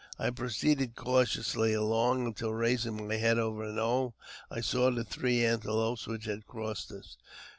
I proceeded cautiously along, until, raising my head over a knoll, I saw the three antelopes which had crossed us.